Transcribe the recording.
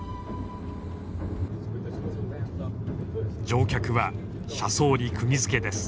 乗客は車窓にくぎづけです。